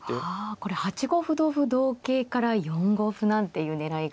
あこれ８五歩同歩同桂から４五歩なんていう狙いが。